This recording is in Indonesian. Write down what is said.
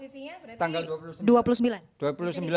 sekarang posisinya berarti dua puluh sembilan